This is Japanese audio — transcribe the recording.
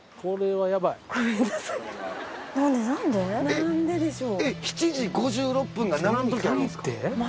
何ででしょう？